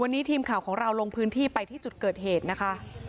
วันนี้ทีมข่าวของเราลงพื้นที่ไปที่จุดเกิดเหตุนะคะ